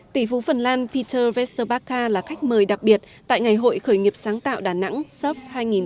tỷ phú phần lan peter westerbacca là khách mời đặc biệt tại ngày hội khởi nghiệp sáng tạo đà nẵng suf hai nghìn một mươi chín